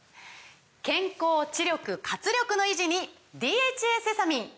健康・知力・活力の維持に「ＤＨＡセサミン」！